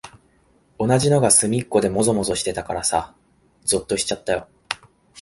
同じのがすみっこでもぞもぞしてたからさ、ぞっとしちゃったよ。